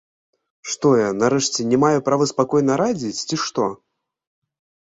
Што я, нарэшце, не маю права спакойна радзіць, ці што?